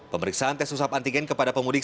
pemeriksaan tes usap antigen kepada pemudik